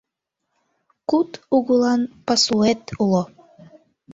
Куд угылан пасуэт уло